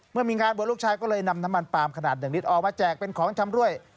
เมื่อมีงานบวชลูกชายก็เลยนำน้ำมันปาล์มขนาด๑ลิตรออกมาแจกเป็นของชำรวย